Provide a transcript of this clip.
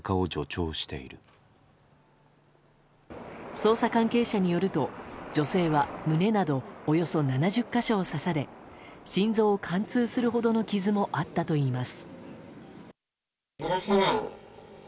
捜査関係者によると、女性は胸など、およそ７０か所を刺され心臓を貫通するほどの傷もあったといいます。